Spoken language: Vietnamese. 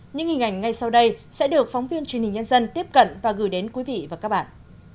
những hình ảnh ngay sau đây sẽ được phóng viên truyền hình nhân dân tiếp cận và gửi đến quý vị và các bạn